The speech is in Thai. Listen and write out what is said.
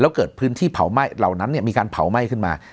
แล้วเกิดพื้นที่เผาไหม้เหล่านั้นมีการเผาไหม้ขึ้นมา